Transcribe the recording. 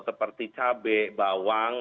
seperti cabai bawang